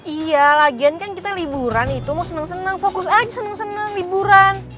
iya lagian kan kita liburan itu mau senang senang fokus aja seneng seneng liburan